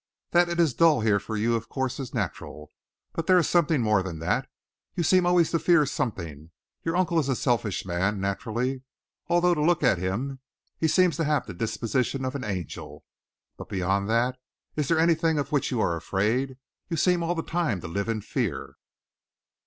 That it is dull here for you, of course, is natural, but there is something more than that. You seem always to fear something. Your uncle is a selfish man, naturally, although to look at him he seems to have the disposition of an angel. But beyond that, is there anything of which you are afraid? You seem all the time to live in fear."